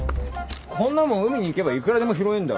こんなもん海に行けばいくらでも拾えんだろ。